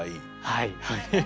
はい。